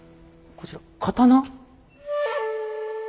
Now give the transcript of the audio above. こちら刀？